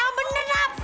yang bener nak pak